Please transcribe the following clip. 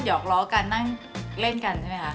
หอกล้อกันนั่งเล่นกันใช่ไหมคะ